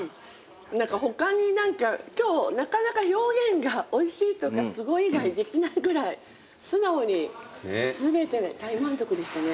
他に今日なかなか表現がおいしいとかすごい以外できないぐらい素直に全て大満足でしたね。